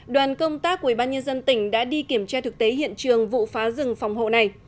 đoàn công tác của ủy ban nhân dân tỉnh đã đi kiểm tra thực tế hiện trường vụ phá rừng phòng hộ này